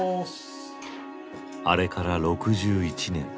あれから６１年。